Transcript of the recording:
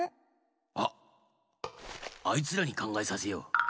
あっあいつらにかんがえさせよう！